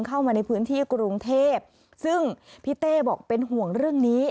เข้ามาในพื้นที่กรุงเทพซึ่งพี่เต้บอกเป็นห่วงเรื่องนี้